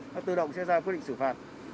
nó tự động sẽ ra quyết định xử phạt